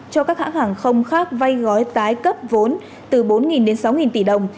cho các hãng hàng không khác vay gói tái cấp vốn từ bốn đến sáu tỷ đồng